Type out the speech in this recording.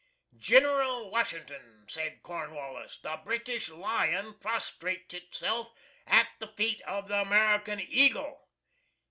"General Washington," said Cornwallis, "the British Lion prostrates himself at the feet of the American Eagle!"